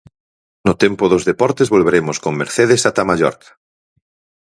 No tempo dos deportes volveremos con Mercedes ata Mallorca.